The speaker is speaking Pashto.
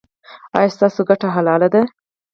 ایا ستاسو ګټه حلاله ده؟